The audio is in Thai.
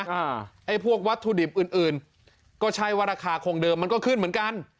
ในพวกวัตถุดิบอื่นก็ใช้วัตรราคาคงเดิมมันก็ขึ้นเหมือนกัน